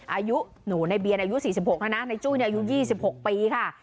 อายุหนูในเบียนอายุ๔๖แล้วนะในจุ้ยอายุ๒๖ปีค่ะ